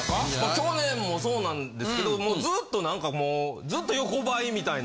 去年もそうなんですけどずっとなんかもうずっと横ばいみたいな。